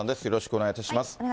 よろしくお願いします。